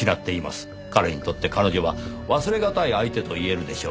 彼にとって彼女は忘れがたい相手と言えるでしょう。